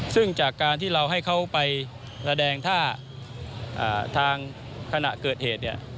ซึ่งจากการที่เราให้เขาไปแสดงท่าทางขณะเกิดเหตุเนี่ย